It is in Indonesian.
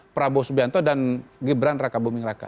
prabowo subianto dan gibran raka buming raka